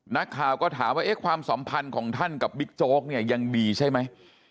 นักข่าวก็ถามว่าความสัมพันธ์ของท่านกับบิ๊กโจ๊กเนี่ยยังดีใช่ไหม